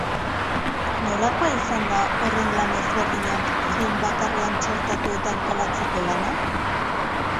Nolakoa izan da horren lan ezberdinak film bakarrean txertatu eta antolatzeko lana?